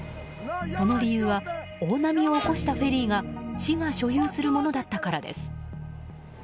その理由は大波を起こしたフェリーが市が所有するものだったからです。